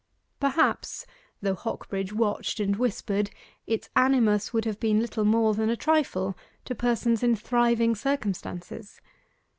Perhaps, though Hocbridge watched and whispered, its animus would have been little more than a trifle to persons in thriving circumstances.